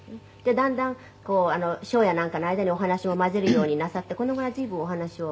「だんだんショーやなんかの間にお話を交ぜるようになさってこの頃は随分お話を」